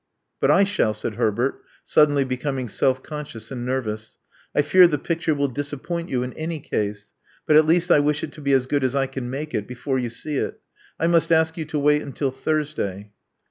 " "But I shall," said Herbert, suddenly becoming self conscious and nervous. I fear the picture will disappoint you in any case; but at least I wish it to be as good as I can make it, before you see it. I must ask you to wait until Thursday."